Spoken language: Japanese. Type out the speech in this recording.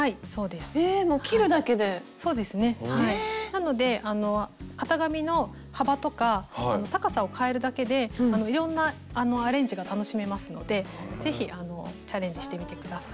なので型紙の幅とか高さをかえるだけでいろんなアレンジが楽しめますので是非チャレンジしてみて下さい。